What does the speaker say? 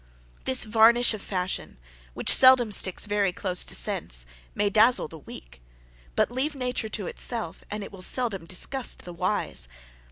This varnish of fashion, which seldom sticks very close to sense, may dazzle the weak; but leave nature to itself, and it will seldom disgust the wise.